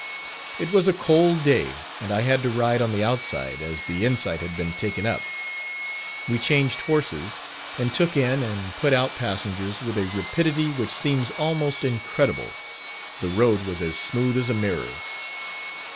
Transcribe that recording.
It was a cold day and I had to ride on the outside, as the inside had been taken up. We changed horses, and took in and put out passengers with a rapidity which seems almost incredible. The road was as smooth as a mirror.